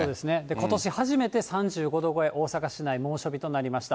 ことし初めて３５度超え、大阪市内、猛暑日となりました。